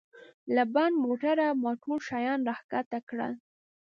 له بند موټره مو ټول شیان را کښته کړل.